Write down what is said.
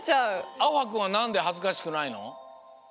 あおはくんはなんではずかしくないの？